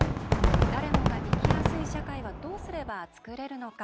誰もが生きやすい社会はどうすれば、つくれるのか。